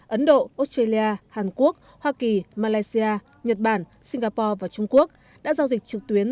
ấn độ australia hàn quốc hoa kỳ malaysia nhật bản singapore và trung quốc đã giao dịch trực tuyến